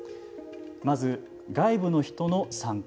まず外部の人の参加。